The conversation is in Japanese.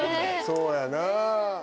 そうやなぁ。